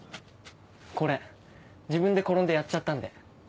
これ自分で転んでやっちゃったんで。